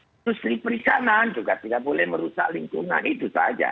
industri perikanan juga tidak boleh merusak lingkungan itu saja